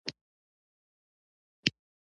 د مالدارۍ د څارویو تغذیه باید په مناسبه توګه تنظیم شي.